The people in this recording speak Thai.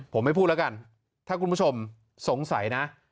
ผมไม่พูดแล้วกันถ้าคุณผู้ชมสงสัยนะ